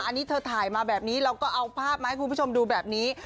อันนี้เธอถ่ายมาแบบนี้เราก็เอาภาพมาให้คุณผู้ชมดูแบบนี้